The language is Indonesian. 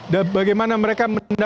dan bagaimana mereka